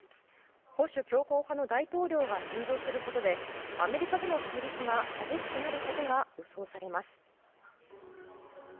保守強硬派の大統領が誕生することでアメリカとの対立が激しくなることが予想されます。